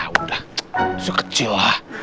udah itu kecil lah